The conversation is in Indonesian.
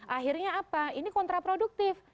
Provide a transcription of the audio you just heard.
akhirnya apa ini kontraproduktif